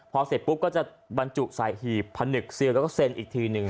พอเสร็จปุ๊บก็จะบรรจุใส่หีบผนึกซิลแล้วก็เซ็นอีกทีหนึ่ง